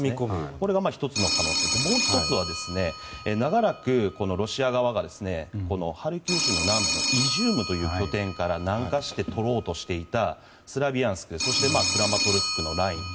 これが１つの可能性でもう１つは長らくロシア側がハルキウ州の南部イジュームという拠点から南下してとろうとしていたスロビャンスククラマトルシクのライン。